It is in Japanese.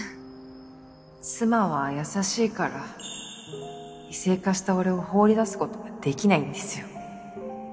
妻は優しいから異性化した俺を放り出すことができないんですよ